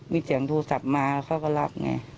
มีเสียงโทรศัพท์มาเขาก็รับไง